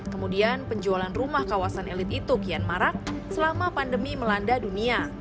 kemudian penjualan rumah kawasan elit itu kian marak selama pandemi melanda dunia